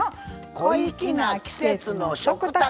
「小粋な季節の食卓」。